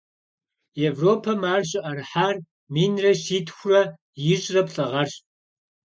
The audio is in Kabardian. Европэм ар щыӏэрыхьар минрэ щитхурэ ищӏрэ плӏы гъэрщ.